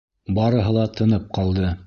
Барыһы ла тынып ҡалды.